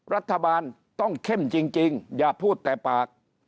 รัฐบาลต้องเข้มจริงอย่าพูดแต่ปาก